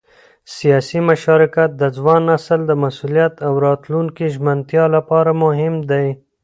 سیاسي مشارکت د ځوان نسل د مسؤلیت او راتلونکي ژمنتیا لپاره مهم دی